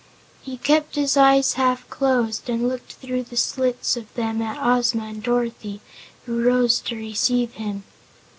He kept his eyes half closed and looked through the slits of them at Ozma and Dorothy, who rose to receive him.